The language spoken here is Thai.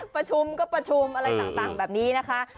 ประชุมก็ประชุมอะไรต่างแบบนี้นะคะ